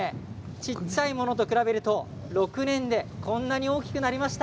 小さいものと比べると６年でこんなに大きくなりました。